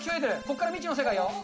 ここから未知の世界よ。